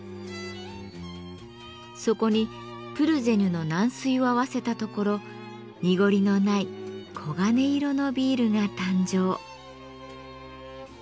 そこにプルゼニュの軟水を合わせたところ濁りのない黄金色のビールが誕生。